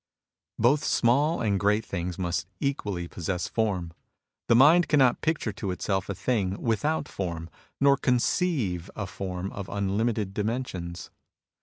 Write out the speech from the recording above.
Both small and great things must equally possess form. The mind cannot picture to itself a thing without form, nor conceive a form of unlimited dimensions.